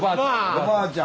おばあちゃん！